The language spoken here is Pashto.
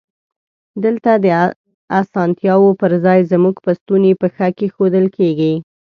دلته د اسانتیاوو پر ځای زمونږ په ستونی پښه کېښودل کیږی.